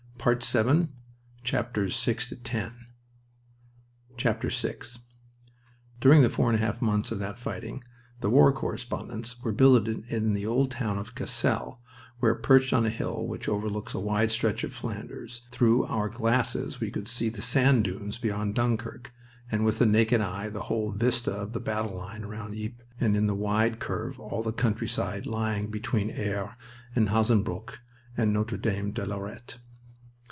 To British and to Germans it meant the same. VI During the four and a half months of that fighting the war correspondents were billeted in the old town of Cassel, where, perched on a hill which looks over a wide stretch of Flanders, through our glasses we could see the sand dunes beyond Dunkirk and with the naked eyes the whole vista of the battle line round Ypres and in the wide curve all the countryside lying between Aire and Hazebrouck and Notre Dame de Lorette.